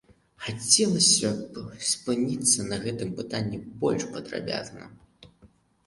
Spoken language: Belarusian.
Хацелася б спыніцца на гэтым пытанні больш падрабязна.